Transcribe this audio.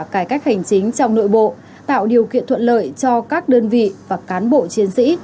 cải cách hành chính trong nội bộ tạo điều kiện thuận lợi cho các đơn vị và cán bộ chiến sĩ